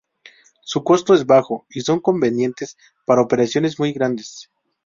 Su costo es bajo y son convenientes para operaciones muy grandes.